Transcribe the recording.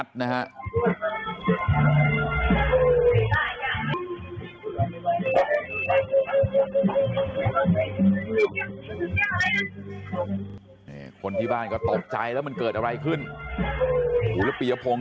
นี่คนที่บ้านก็ตกใจแล้วมันเกิดอะไรขึ้นหูแล้วปียพงศ